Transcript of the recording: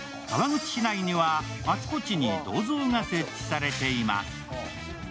川口市内には、あちこちに銅像が設置されています。